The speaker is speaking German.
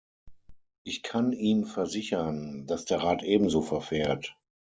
Ich kann ihm versichern, dass der Rat ebenso verfährt.